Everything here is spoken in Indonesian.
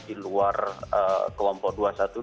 di luar kelompok dua ratus dua belas